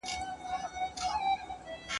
تور بورا دي وزر بل محفل ته یوسي ..